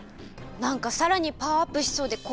なんかさらにパワーアップしそうでこわい。